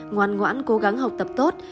ngoan ngoãn cố gắng học tập tốt